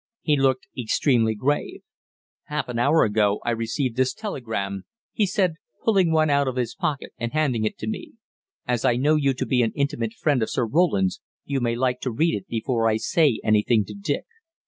He looked extremely grave. "Half an hour ago I received this telegram," he said, pulling one out of his pocket and handing it to me. "As I know you to be an intimate friend of Sir Roland's, you may like to read it before I say anything to Dick."